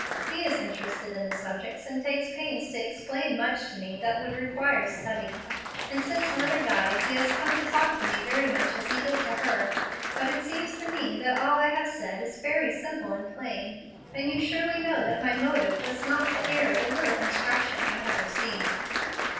He is interested in the subjects and takes pains to explain much to me that would require study; and since mother died he has come to talk to me very much as he did to her. But it seems to me that all I have said is very simple and plain, and you surely know that my motive was not to air the little instruction I have received."